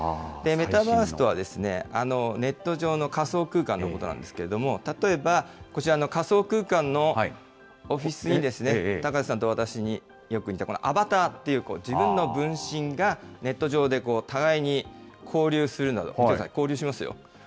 メタバースとは、ネット上の仮想空間のことなんですけれども、例えばこちらの仮想空間のオフィスに、高瀬さんと私によく似たこのアバターっていう、自分の分身がネット上で互いに交流する、見てください、交流しますよ。